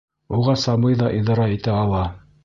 Уға сабый ҙа идара итә ала.